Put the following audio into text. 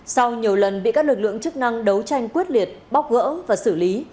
sau nhiều lần bị các lực lượng chức năng đấu tranh quyết liệt bóc gỡ và xử lý